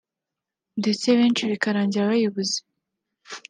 ndetse benshi bikarangira bayibuze